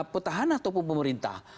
petahana ataupun pemerintah